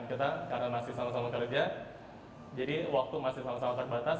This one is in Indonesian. karena masih sama sama kerja jadi waktu masih sama sama terbatas